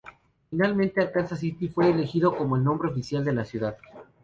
Finalmente, Arkansas City fue elegido como el nombre oficial de la ciudad.